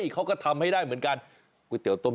เขาก็ทำให้ได้เมืองการทากุยเตียวต้มยำ